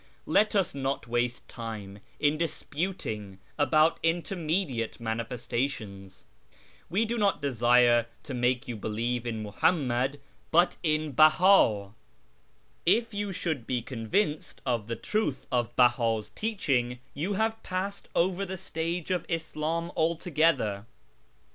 Let us not waste time in disputing about intermediate ' manifesta tions.' We do not desire to make you believe in Muhannuad, but in Beha. If you should be convinced of the truth of Bella's teaching you have passed over the stage of Islam altogether.